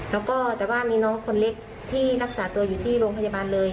แล้วก็แต่ว่ามีน้องคนเล็กที่รักษาตัวอยู่ที่โรงพยาบาลเลย